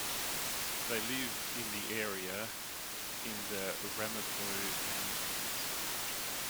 They live in the area in the Ramapo Mountains.